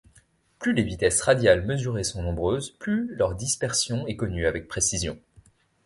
Plus les vitesses radiales mesurées sont nombreuses, plus leur dispersion est connue avec précision.